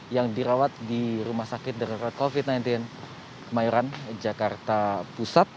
yang dirawat di rumah sakit darurat covid sembilan belas kemayoran jakarta pusat